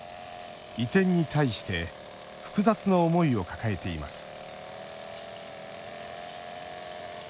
移転に対して複雑な思いを抱えています